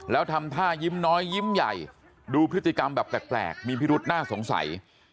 แล้วทำท่ายิ้มน้อยยิ้มใหญ่ดูพฤติกรรมแบบแปลกมีพิรุษน่าสงสัย